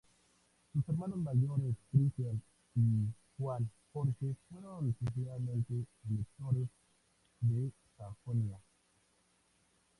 Sus hermanos mayores Cristián y Juan Jorge fueron sucesivamente Electores de Sajonia.